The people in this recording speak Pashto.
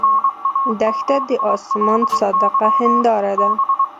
دښته د آسمان صادقه هنداره ده.